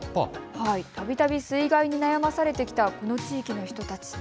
たびたび水害に悩まされてきたこの地域の人たち。